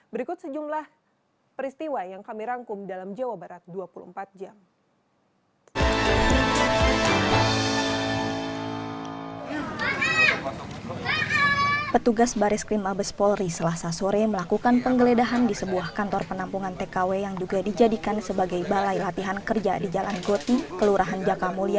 berikut sejumlah peristiwa yang kami rangkum dalam jawa barat dua puluh empat jam